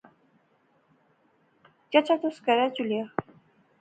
چچا تس کہھرے چلیا؟